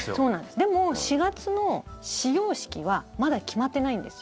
でも４月の始業式はまだ決まってないんですよ。